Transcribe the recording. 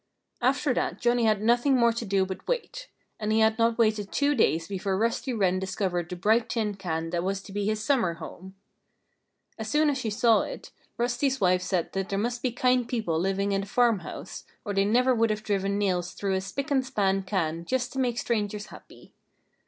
After that Johnnie had nothing more to do but wait. And he had not waited two days before Rusty Wren discovered the bright tin can that was to be his summer home. As soon as she saw it, Rusty's wife said that there must be kind people living in the farmhouse, or they never would have driven nails through a spick and span can just to make strangers happy.